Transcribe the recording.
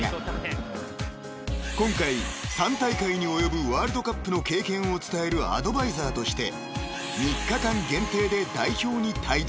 ［今回３大会に及ぶワールドカップの経験を伝えるアドバイザーとして］